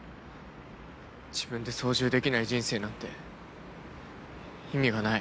自分で操縦できない人生なんて意味がない。